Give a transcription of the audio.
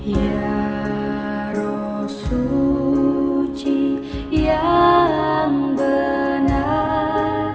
sa roh suci yang benar